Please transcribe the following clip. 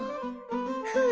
ふう。